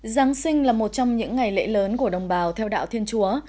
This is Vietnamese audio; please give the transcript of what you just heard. giáng sinh là một trong những ngày lễ lớn của đồng bào theo đạo thiên chúa